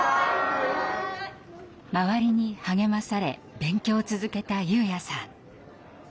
周りに励まされ勉強を続けたユウヤさん。